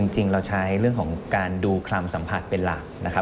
จริงเราใช้เรื่องของการดูคำสัมผัสเป็นหลักนะครับ